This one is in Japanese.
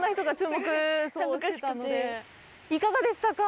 いかがでしたか？